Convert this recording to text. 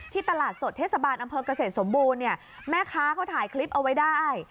ตลาดสดเทศบาลอำเภอกเกษตรสมบูรณ์เนี่ยแม่ค้าเขาถ่ายคลิปเอาไว้ได้